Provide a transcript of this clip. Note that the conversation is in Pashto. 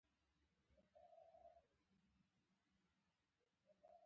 اوس احمد ته د علي لاس ور ايله شو.